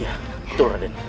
iya betul raden